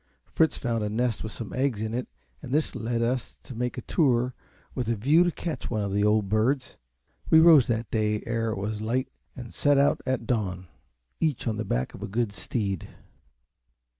Fritz found a nest with some eggs in it, and this led us to make a tour with a view to catch one of the old birds. We rose that day ere it was light, and set out at dawn, each on the back of a good steed.